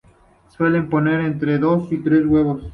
Suele poner entre dos y tres huevos.